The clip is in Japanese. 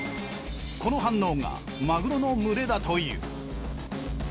この反応がマグロの群れだという。